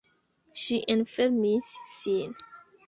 Ŝi enfermis sin.